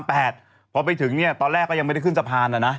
พอเพิ่งไปถึงตอนแรกเขายังไม่ได้ขึ้นสภาร